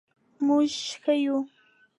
مونږ ښه یو